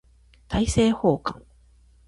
大政奉還